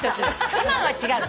今は違うの。